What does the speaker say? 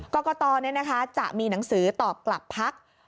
กรกตจะมีหนังสือตอบกลับพัก